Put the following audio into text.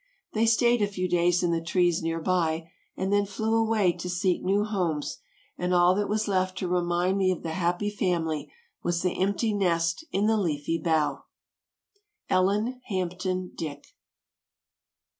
They staid a few days in the trees near by and then flew away to seek new homes, and all that was left to remind me of the happy family was the empty nest in the leafy bough. Ellen Hampton Dick.